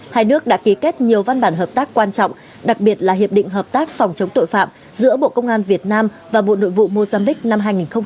hai nước đã ký kết nhiều văn bản hợp tác quan trọng đặc biệt là hiệp định hợp tác phòng chống tội phạm giữa bộ công an việt nam và bộ nội vụ mozambiqu năm hai nghìn hai mươi ba